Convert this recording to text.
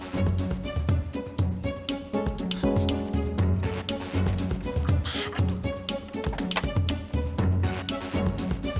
siapa sih itu yang nipu